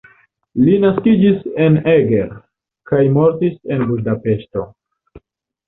Li naskiĝis en Eger kaj mortis en Budapeŝto.